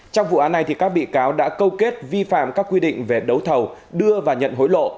trong vụ án này các bị cáo đã câu kết vi phạm các quy định về đấu thầu đưa và nhận hối lộ